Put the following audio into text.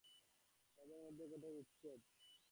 তাঁদের মধ্যে ঘটে গেছে বিচ্ছেদ।